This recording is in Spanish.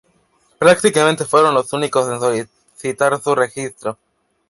Prácticamente fueron los únicos en solicitar su registro.